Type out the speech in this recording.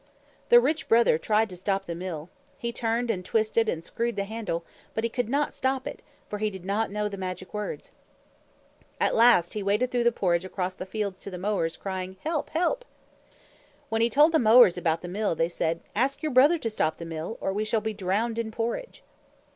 The Rich Brother tried to stop the Mill. He turned and twisted and screwed the handle, but he could not stop it, for he did not know the magic words. At last he waded through the porridge across the fields to the mowers, crying, "Help! Help!" When he told the mowers about the Mill, they said, "Ask your brother to stop the Mill, or we shall be drowned in porridge."